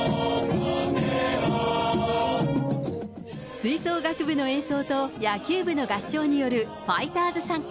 吹奏楽部の演奏と野球部の合唱によるファイターズ讃歌。